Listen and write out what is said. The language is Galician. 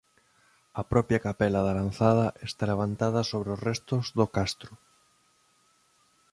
A propia capela da Lanzada está levantada sobre restos do castro.